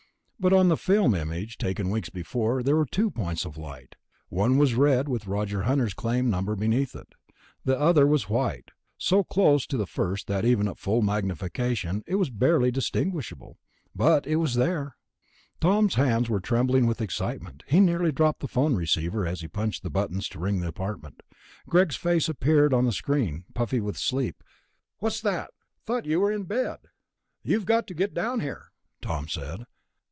But on the film image taken weeks before there were two points of light. One was red, with Roger Hunter's claim number beneath it. The other was white, so close to the first that even at full magnification it was barely distinguishable. But it was there. Tom's hands were trembling with excitement; he nearly dropped the phone receiver as he punched the buttons to ring the apartment. Greg's face appeared on the screen, puffy with sleep. "What's that? Thought you were in bed...." "You've got to get down here," Tom said.